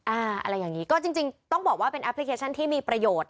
อะไรอย่างนี้ก็จริงต้องบอกว่าเป็นแอปพลิเคชันที่มีประโยชน์